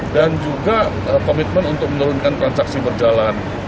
dan juga komitmen untuk menurunkan transaksi berjalan